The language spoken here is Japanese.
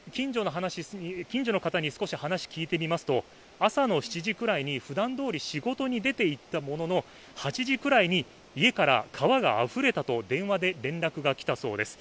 近所の方に少し話を聞いてみますと朝の７時くらいにふだんどおりに仕事に出ていったものの８時くらいに家から川があふれたと電話で連絡が来たそうです。